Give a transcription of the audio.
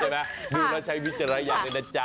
เห็นไหมดูแล้วใช้วิจาระอย่างหน่อยนะจ๊ะ